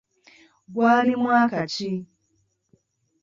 Gwali mwaka ki?